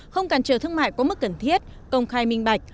không cản trở thương mại có mức cần thiết công khai minh bạch